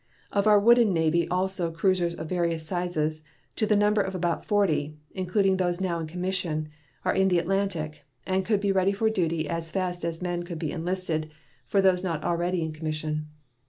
Of our wooden navy also cruisers of various sizes, to the number of about forty, including those now in commission, are in the Atlantic, and could be ready for duty as fast as men could be enlisted for those not already in commission.